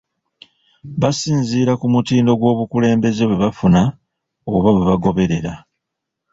Basinziira ku mutindo gw’obukulembeze bwe bafuna oba bwe bagoberera.